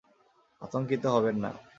আতঙ্কিত হবেন না।